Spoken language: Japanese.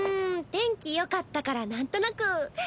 天気よかったからなんとなく。